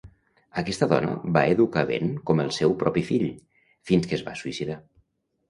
Aquesta dona va educar Ben com el seu propi fill, fins que es va suïcidar.